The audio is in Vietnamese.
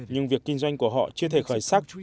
nhưng việc kinh doanh của họ chưa thể khởi sắc